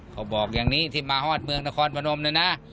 เขาบอกอย่างนี้ที่มาฮอดเมืองนครพนมเนี่ยนะ